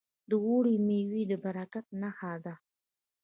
د اوړي میوې د برکت نښه ده.